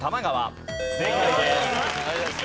正解です。